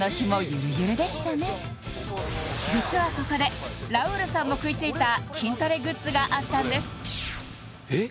実はここでラウールさんも食いついた筋トレグッズがあったんですえっ